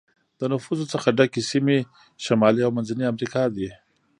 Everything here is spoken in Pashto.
د نفوسو څخه ډکې سیمې شمالي او منځنی امریکا دي.